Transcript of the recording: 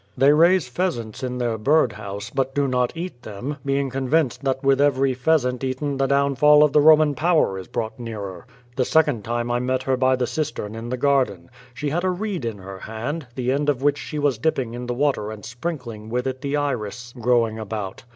They raise pheasants in their bird house, but do not eat them, being convinced that with every pheasant eaten the downfall of the Roman power is brought nearer. The second time I met her by the cistern in the garden. She had a reed in her hand, the end of which she was dip ping in the water and sprinkling with it the iris growing about.